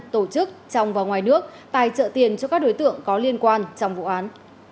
tổ chức trong và ngoài nước tài trợ tiền cho các đối tượng có liên quan trong vụ án